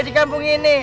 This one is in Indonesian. di kampung ini